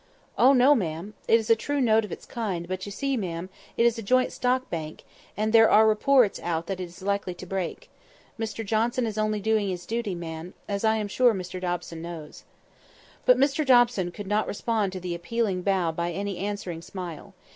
"Oh, no, ma'am. It is a true note of its kind; but you see, ma'am, it is a joint stock bank, and there are reports out that it is likely to break. Mr Johnson is only doing his duty, ma'am, as I am sure Mr Dobson knows." But Mr Dobson could not respond to the appealing bow by any answering smile.